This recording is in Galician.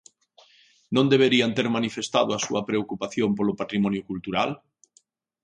Non deberían ter manifestado a súa preocupación polo patrimonio cultural?